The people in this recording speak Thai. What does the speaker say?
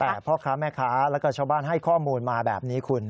แต่พ่อค้าแม่ค้าแล้วก็ชาวบ้านให้ข้อมูลมาแบบนี้คุณ